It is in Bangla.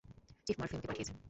চিফ মার্ফি আমাকে পাঠিয়েছেন।